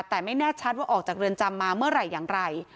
แต่ไม่แน่ชัดว่าออกจากเรือนจำมาเมื่อไหร่อย่างไร